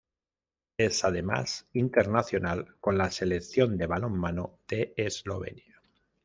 Es además internacional con la Selección de balonmano de Eslovenia.